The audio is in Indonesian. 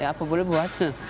iya ya apa boleh buat